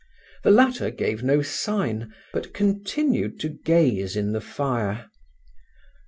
The latter gave no sign, but continued to gaze in the fire.